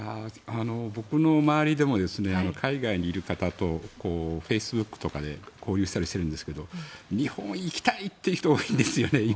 僕の周りでも海外にいる方とフェイスブックとかで交流したりしているんですが日本に行きたいっていう人が多いんですよね。